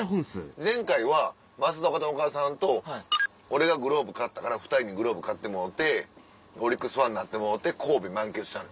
前回はますだおかだの岡田さんと俺がグラブ買ったから２人にグラブ買ってもろうてオリックスファンなってもろうて神戸満喫したの。